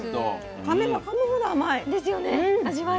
かめばかむほど甘い。ですよね味わい。